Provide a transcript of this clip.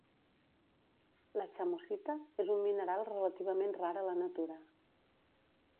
La chamosita és un mineral relativament rar a la natura.